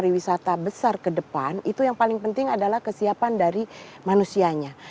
pariwisata besar ke depan itu yang paling penting adalah kesiapan dari manusianya